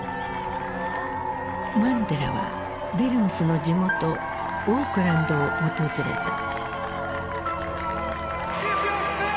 マンデラはデルムスの地元オークランドを訪れた。